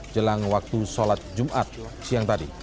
jelang waktu sholat jumat siang tadi